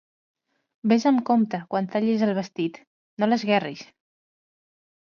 Ves amb compte, quan tallis el vestit: no l'esguerris.